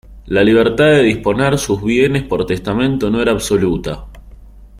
La libertad de disponer de sus bienes por testamento no era absoluta.